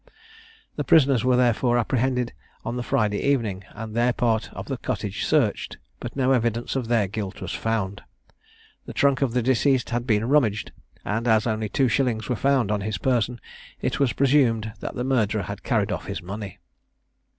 The prisoners were, therefore, apprehended on the Friday evening, and their part of the cottage searched; but no evidence of their guilt was found. The trunk of the deceased had been rummaged; and, as only two shillings were found on his person, it was presumed that the murderer had carried off his money.